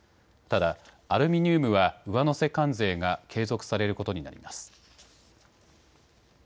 ただ、アルミニウムは上乗せ関税が継続されることになります。